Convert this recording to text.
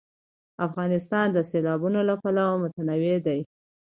افغانستان د سیلابونه له پلوه متنوع دی.